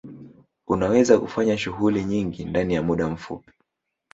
Unaweza kufanya shughuli nyingi ndani ya muda mfupi